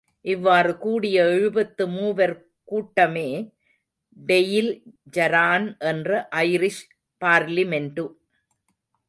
இவ்வாறு கூடிய எழுபத்திமூவர் கூட்டமே டெயில் ஜரான் என்ற ஐரிஷ் பார்லிமென்டு.